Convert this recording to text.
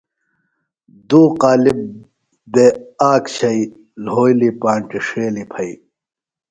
دُو قالب بےۡ آک چھئی لھولیۡ پانٹیۡ ݜیلیۡ پھئیۡ۔